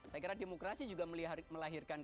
saya kira demokrasi juga melahirkan